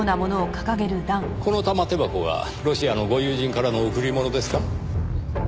この玉手箱がロシアのご友人からの贈り物ですか？